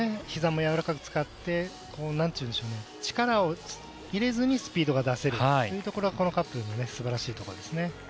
ひざもやわらかく使って力を入れずにスピードが出せるというところがこのカップルの素晴らしいところですね。